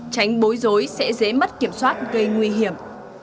tránh bối rối sẽ dễ mất kiểm soát gây nguy hiểm